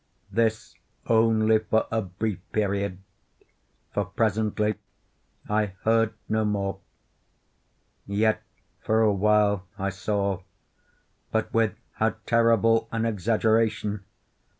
This only for a brief period, for presently I heard no more. Yet, for a while, I saw—but with how terrible an exaggeration!